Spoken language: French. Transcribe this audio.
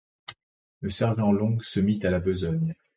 Le sergent Long se mit à la besogne.